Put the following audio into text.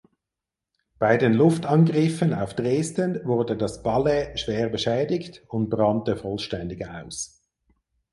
Bei den Luftangriffen auf Dresden wurde das Palais schwer beschädigt und brannte vollständig aus.